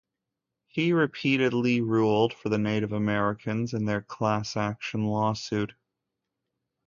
He repeatedly ruled for the Native Americans in their class-action lawsuit.